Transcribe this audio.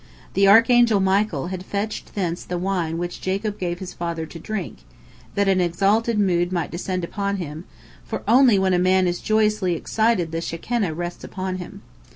The archangel Michael had fetched thence the wine which Jacob gave his father to drink, that an exalted mood might descend upon him, for only when a man is joyously excited the Shekinah rests upon him.